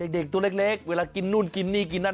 เด็กตัวเล็กเวลากินนู่นกินนี่กินนั่น